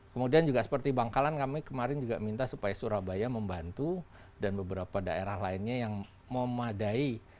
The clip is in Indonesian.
kemudian juga seperti bangkalan kami kemarin juga minta supaya surabaya membantu dan beberapa daerah lainnya yang memadai